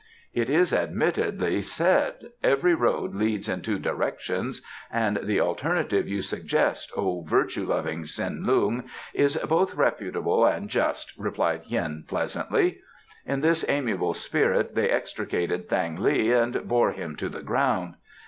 "It is admittedly said, 'Every road leads in two directions,' and the alternative you suggest, O virtue loving Tsin Lung, is both reputable and just," replied Hien pleasantly. In this amiable spirit they extricated Thang li and bore him to the ground.